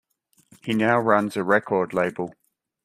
He now runs a record label.